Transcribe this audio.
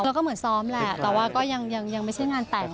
แล้วก็เหมือนซ้อมแหละแต่ว่าก็ยังไม่ใช่งานแต่ง